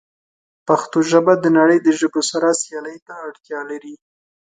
پښتو ژبه د نړۍ د ژبو سره سیالۍ ته اړتیا لري.